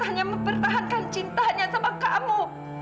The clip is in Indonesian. hanya mempertahankan cintanya sama kamu